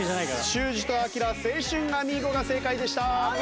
修二と彰『青春アミーゴ』が正解でした。